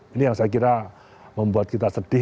ini yang saya kira membuat kita sedih